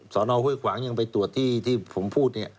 สอนอาหวยขวางยังไปตรวจที่ผมพูด